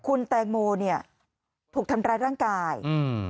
คุณแตงโมเนี่ยถูกทำร้ายร่างกายอืม